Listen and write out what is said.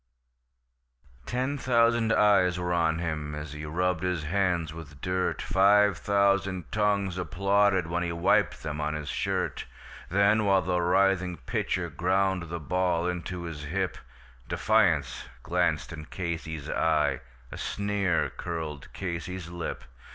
Ten thousand eyes were on him as he rubbed his hands with dirt, Five thousand tongues applauded when he wiped them on his shirt; Then, while the writhing pitcher ground the ball into his hip, Defiance glanced in Casey's eye, a sneer curled Casey's lip.